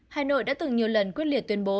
hà nội đã từng nhiều lần quyết liệt tuyên bố